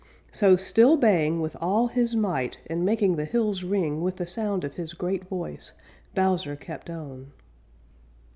So, still baying with all his might and making the hills ring with the sound of his great voice, Bowser kept on.